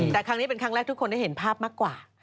แต่ครั้งนี้เป็นครั้งแรกทุกคนได้เห็นภาพมากกว่า